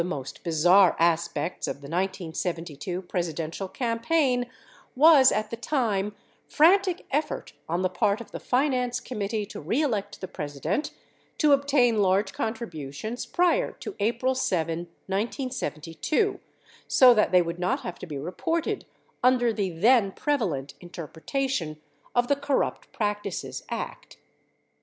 564 bizarre aspects of the 1972 Presidential campaign was at the time frantic effort on the part of the Finance Committee To Re Elect the President to obtain large contributions prior to April 7, 1972, so that they would not have to be reported under the then prevalent inter pretation of the Corrupt Practices Act.